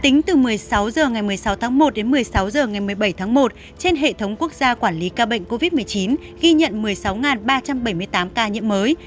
tính từ một mươi sáu h ngày một mươi sáu tháng một đến một mươi sáu h ngày một mươi bảy tháng một trên hệ thống quốc gia quản lý ca bệnh covid một mươi chín ghi nhận một mươi sáu ba trăm bảy mươi tám ca nhiễm mới